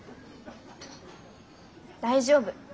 大丈夫。